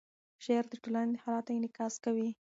شعر د ټولنې د حالاتو انعکاس کوي.